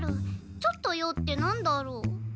ちょっと用って何だろう？